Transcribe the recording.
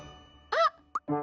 あっ！